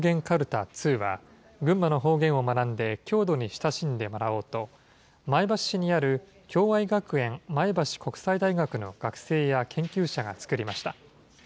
かるた２は、群馬の方言を学んで郷土に親しんでもらおうと、前橋市にある共愛学園前橋国際大学の学生や研究者が作りました。